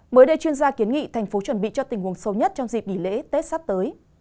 mới đây chuyên gia kiến nghị thành phố chuẩn bị cho tình huống sâu nhất trong dịp nghỉ lễ tết sắp tới